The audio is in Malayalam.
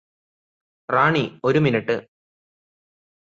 റാണി ഒരു മിനുട്ട്